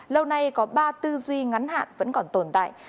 lâu nay có ba tư duy ngắn hạn vẫn còn tồn tại